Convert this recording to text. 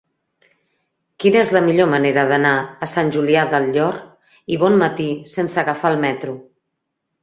Quina és la millor manera d'anar a Sant Julià del Llor i Bonmatí sense agafar el metro?